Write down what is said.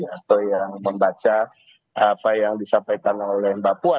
atau yang membaca apa yang disampaikan oleh mbak puan